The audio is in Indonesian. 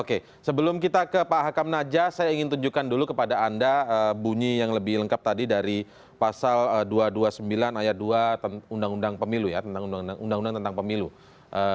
oke sebelum kita ke pak hakam naja saya ingin tunjukkan dulu kepada anda bunyi yang lebih lengkap tadi dari pasal dua ratus dua puluh sembilan ayat dua undang undang pemilu ya undang undang tentang pemilu